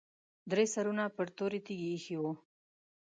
درې سرونه پر تورې تیږې ایښي وو.